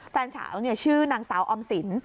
แฟนสาวชื่อนางสาวออมสิน